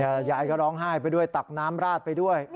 ยายก็ร้องไห้ไปด้วยตักน้ำราดไปด้วย